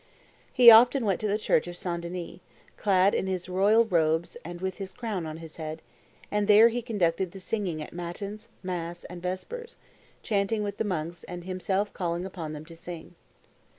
"He often went to the church of St. Denis, clad in his royal robes and with his crown on his head; and he there conducted the singing at matins, mass, and vespers, chanting with the monks and himself calling upon them to sing.